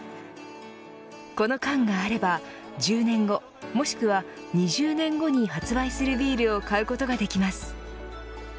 この缶があれば１０年後、もしくは２０年後に発売するビールを買うことができます。